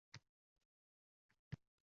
Asr namozini birga o'qigach